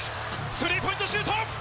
スリーポイントシュート。